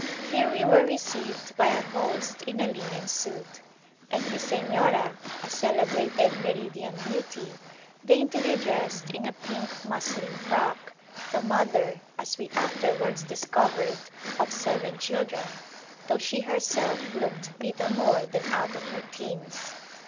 Here we were received by our host in a linen suit, and his Señora, a celebrated Meridian beauty, daintily dressed in a pink muslin frock, the mother, as we afterwards discovered, of seven children, though she herself looked little more than out of her teens.